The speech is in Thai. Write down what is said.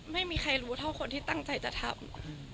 ไม่มีใครรู้เท่าคนที่ตั้งใจจะทำ